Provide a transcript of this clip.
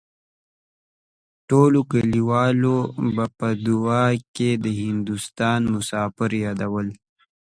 ټولو کليوالو به په دعاوو کې د هندوستان مسافر يادول.